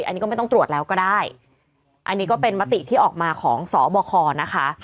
อันนี้ก็ไม่ต้องตรวจแล้วก็ได้อันนี้ก็เป็นมติที่ออกมาของสบคนะคะ